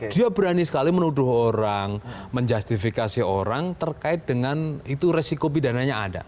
dia berani sekali menuduh orang menjustifikasi orang terkait dengan itu resiko pidananya ada